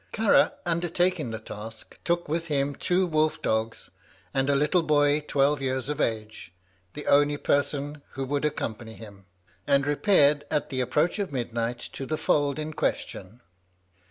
Carragh, undertaking the task, took with him two wolf dogs, and a little boy twelve years of age, the only person who would accompany him, and repaired at the approach of midnight to the fold in question.